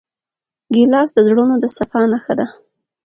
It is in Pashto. ګیلاس د زړونو د صفا نښه ده.